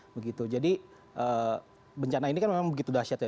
begitu jadi bencana ini kan memang begitu dahsyat ya